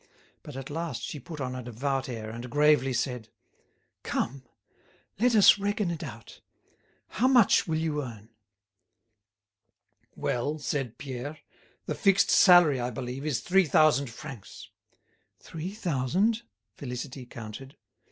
But at last she put on a devout air, and gravely said: "Come, let us reckon it out. How much will you earn?" "Well," said Pierre, "the fixed salary, I believe, is three thousand francs." "Three thousand," Félicité counted.